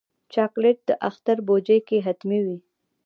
چاکلېټ د اختر بوجۍ کې حتمي وي.